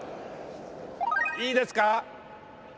いいですか？